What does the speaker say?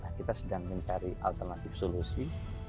nah kita sedang mencari alternatif solusi